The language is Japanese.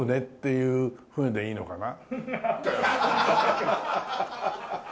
いうふうでいいのかな？